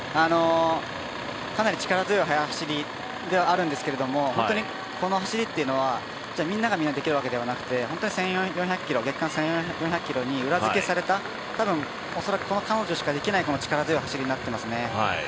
かなり力強い走りではあるんですけれども本当にこの走りというのはみんながみんなできるわけじゃなくて本当に月間１４００ｋｍに裏付けされた、恐らく彼女しかできない力強い走りになっていますね。